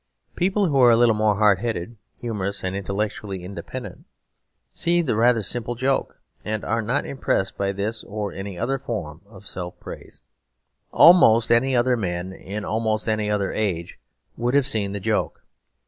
People who are a little more hard headed, humorous, and intellectually independent, see the rather simple joke; and are not impressed by this or any other form of self praise. Almost any other men in almost any other age would have seen the joke.